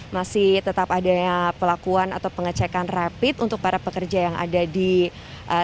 masih tetap adanya pelakuan atau pengecekan rapid untuk para pekerja yang ada di sekitar balai kota dki jakarta